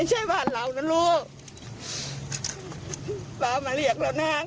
เรียกกินข้าวก่อนไม่ค่อยเรียกกัน